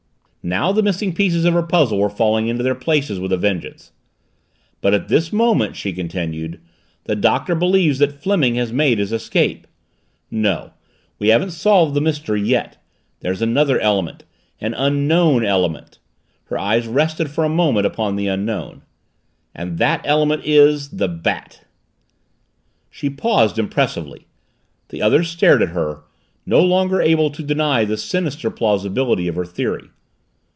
Now the missing pieces of her puzzle were falling into their places with a vengeance. "But at this moment," she continued, "the Doctor believes that Fleming has made his escape! No we haven't solved the mystery yet. There's another element an unknown element," her eyes rested for a moment upon the Unknown, "and that element is the Bat!" She paused, impressively. The others stared at her no longer able to deny the sinister plausibility of her theory.